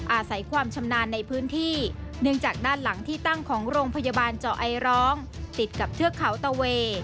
อาศัยความชำนาญในพื้นที่เนื่องจากด้านหลังที่ตั้งของโรงพยาบาลเจาะไอร้องติดกับเทือกเขาตะเว